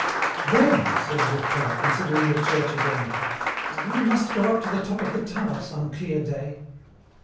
"Well," said Durtal, considering the church again, "I really must go up to the top of the tower some clear day."